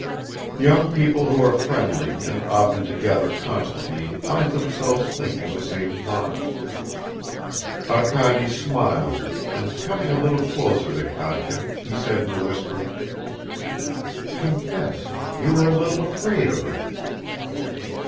Young people who are friendly and often together constantly find themselves thinking the same thoughts. Arkady smiled and, coming a little closer to Katya, he said in a whisper: "Confess, you are a little afraid of her."